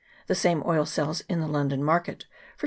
The same oil sells in the London market for 27